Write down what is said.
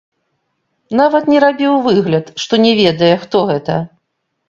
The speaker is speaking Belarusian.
Нават не рабіў выгляд, што не ведае, хто гэта.